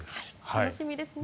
楽しみですね。